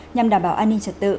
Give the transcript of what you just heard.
nhằm đảm bảo an ninh trật tự